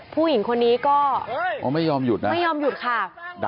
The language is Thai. ผู้หญิงคนนี้ก็ไม่ยอมหยุดค่ะ